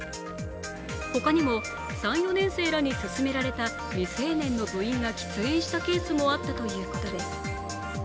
他にも３４年生らに勧められた未成年の部員が喫煙したケースもあったということです。